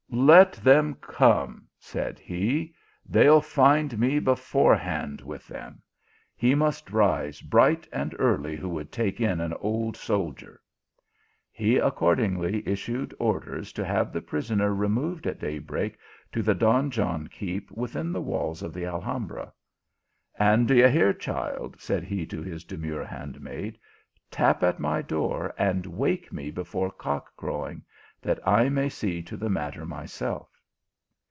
" Let them come," said he, " they ll find me before hand with them. He must rise bright and early who would take in an old soldier." He accordingly issued orders to have the prisoner removed at daybreak to the Donjon Keep within the walls of the Alhambra :" And d ye hear, child," said he to his demure hand maid, " tap at my door, and wake me before cock crowing, that I may see to the matter myself."